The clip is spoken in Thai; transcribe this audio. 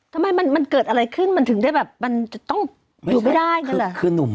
ทำไมมันเกิดอะไรขึ้นมันถึงได้แบบมันจะต้องอยู่ไม่ได้งั้นเหรอ